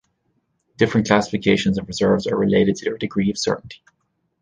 Different classifications of reserves are related to their degree of certainty.